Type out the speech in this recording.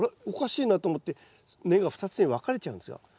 おかしいなと思って根が２つに分かれちゃうんですよ。